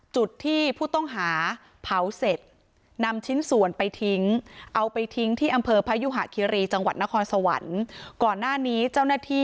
จุดที่ผู้ต้องหาเผาเสร็จ